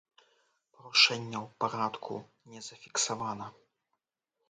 Парушэнняў парадку не зафіксавана.